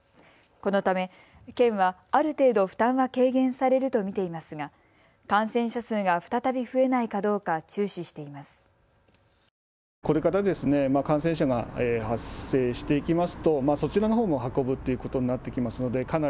このため県はある程度、負担は軽減されると見ていますが感染者数が再び増えないかどうか注視しています。